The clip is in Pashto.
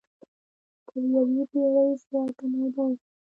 تر یوې پېړۍ زیاته موده وشوه.